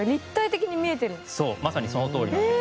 まさにそのとおりなんです。